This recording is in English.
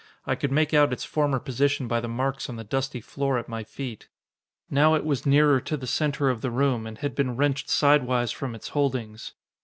I could make out its former position by the marks on the dusty floor at my feet. Now it was nearer to the center of the room, and had been wrenched sidewise from its holdings.